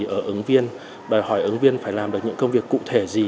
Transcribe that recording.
ở ứng viên đòi hỏi ứng viên phải làm được những công việc cụ thể gì